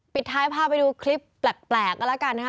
ปิดท้ายพาไปดูคลิปแปลกกันแล้วกันนะคะ